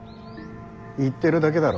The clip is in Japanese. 言ってるだけだろう。